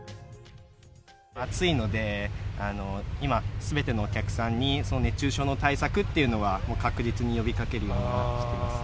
暑いので今、すべてのお客さんに、熱中症の対策というのは確実に呼びかけるようにはしてます。